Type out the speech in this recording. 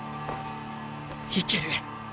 いける！